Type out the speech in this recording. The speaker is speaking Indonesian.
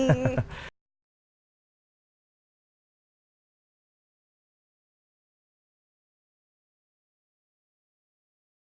sampai ketemu lagi